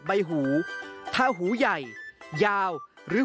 กลับวันนั้นไม่เอาหน่อย